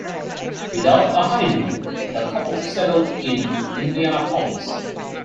Without a honeymoon, the couple settled in Indianapolis.